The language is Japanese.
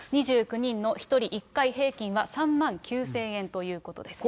２９人の１人１回平均は３万９０００円ということです。